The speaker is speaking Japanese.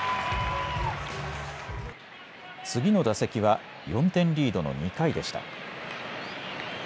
次の打席は４点リードの２回でした。